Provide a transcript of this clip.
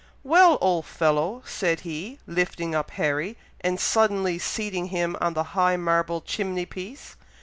"Well, old fellow!" said he, lifting up Harry, and suddenly seating him on the high marble chimney piece.